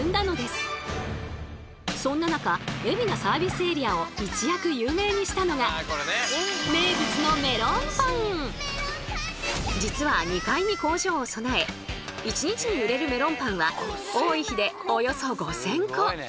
そんな中海老名サービスエリアを一躍有名にしたのが名物の実は２階に工場を備え１日に売れるメロンパンは多い日でおよそ５，０００個。